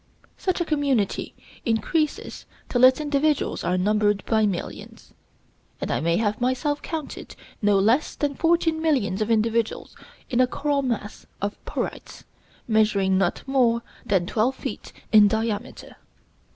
Such a community increases till its individuals are numbered by millions, and I have myself counted no less than fourteen millions of individuals in a coral mass of Porites measuring not more than twelve feet in diameter.